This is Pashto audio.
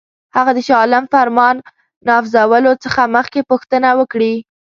هغه د شاه عالم فرمان نافذولو څخه مخکي پوښتنه وکړي.